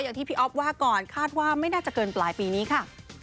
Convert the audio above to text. อย่างที่พี่อ๊อฟว่าก่อนคาดว่าไม่น่าจะเกินปลายปีนี้ค่ะ